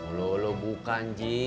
ulu ulu bukan ji